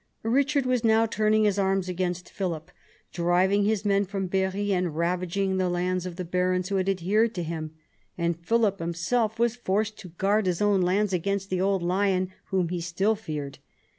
Eichard was now turning his arms against Philip, driving his men from Berry and ravaging the lands of the barons who had adhered to him ; and Philip himself was forced to guard his own lands against "the old lion," whom he still feared.